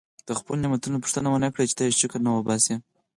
د خپلو نعمتونو پوښتنه ونه کړي چې ته یې شکر نه وباسې.